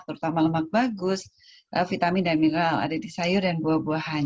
terutama lemak bagus vitamin dan mineral ada di sayur dan buah buahan